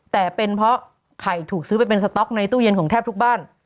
แต่เป็นเพราะไข่ถูกซื้อไปเป็นสต๊อกในตู้เย็นของแทบทุกบ้าน